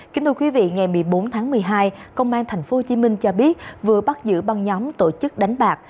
kính thưa quý vị ngày một mươi bốn tháng một mươi hai công an tp hcm cho biết vừa bắt giữ băng nhóm tổ chức đánh bạc